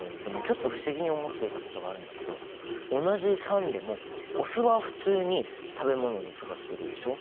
でもちょっと不思議に思っていたことがあるんだけど同じ酸でもお酢は普通に食べ物に使ってるでしょ。